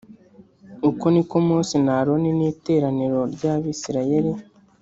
Uko ni ko Mose na Aroni n iteraniro ry Abisirayeli